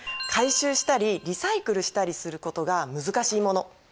回収したりリサイクルしたりすることが難しいもの